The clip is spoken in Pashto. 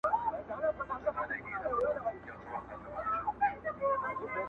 ما یې خالي انګړ ته وکړل سلامونه-